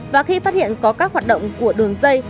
và khi phát hiện có các hoạt động của đường dây